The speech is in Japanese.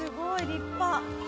立派！